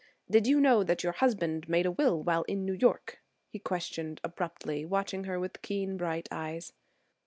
"Did you know that your husband made a will while in New York?" he questioned abruptly, watching her with keen, bright eyes.